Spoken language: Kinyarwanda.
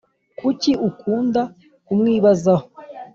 Kuki ukunda kumwibazaho